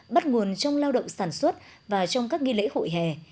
bắt nguồn trong lao động sản xuất và trong các nghi lễ hội hè